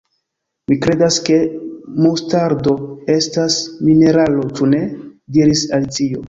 "Mi kredas ke mustardo estas mineralo, ĉu ne?" diris Alicio.